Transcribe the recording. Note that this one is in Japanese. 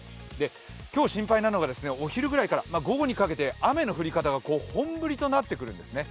今日心配なのはお昼ぐらいから午後にかけて雨の降り方が本降りとなってくるんですね。